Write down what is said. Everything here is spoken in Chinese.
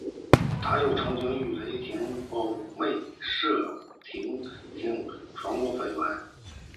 他又曾与谢霆锋胞妹谢婷婷传过绯闻。